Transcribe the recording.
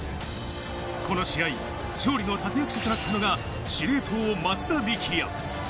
この試合、勝利の立役者となったのが司令塔・松田力也。